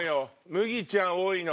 ムギちゃん多いの。